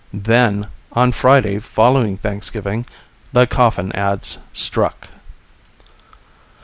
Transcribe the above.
Then, on Friday following Thanksgiving, the coffin ads struck.